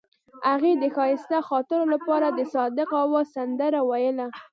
هغې د ښایسته خاطرو لپاره د صادق اواز سندره ویله.